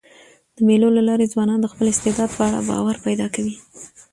د مېلو له لاري ځوانان د خپل استعداد په اړه باور پیدا کوي.